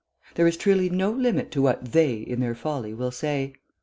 There is truly no limit to what "they," in their folly, will say.